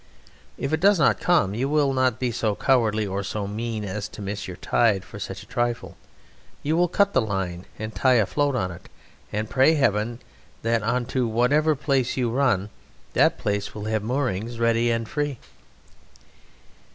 If It does not come, you will not be so cowardly or so mean as to miss your tide for such a trifle. You will cut the line and tie a float on and pray Heaven that into whatever place you run, that place will have moorings ready and free.